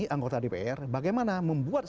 anggota dpr bagaimana membuat